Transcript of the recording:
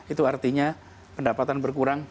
itu artinya pendapatan berkurang